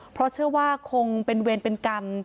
เพราะเชื่อว่าคงเป็นเวรเป็นกรรม